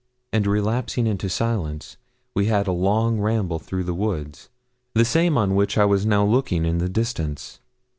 And relapsing into silence we had a long ramble through the wood, the same on which I was now looking in the distance.